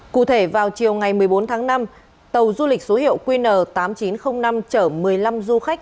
cụ thể vào chiều ngày một mươi bốn tháng năm tàu du lịch số hiệu qn tám nghìn chín trăm linh năm chở một mươi năm du khách